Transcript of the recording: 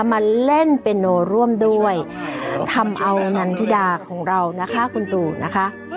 มาเล่นเปโนร่วมด้วยทำเอานันทิดาของเรานะคะคุณตู่นะคะ